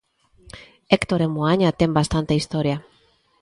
Héctor en Moaña ten bastante historia.